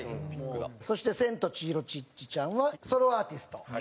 そしてセントチヒロ・チッチちゃんはソロアーティスト。